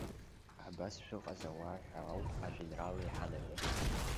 Абас шәыҟаз ауаа ҳәа ауп ажәеинраала иҳанаҳәо.